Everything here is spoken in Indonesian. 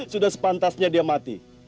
sudah sepantasnya dia mati